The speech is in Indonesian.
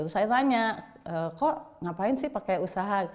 saya tanya kok ngapain sih pakai usaha